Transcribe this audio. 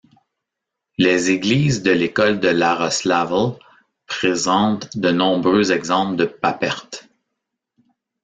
Les églises de l'École de Iaroslavl présentent de nombreux exemples de papertes.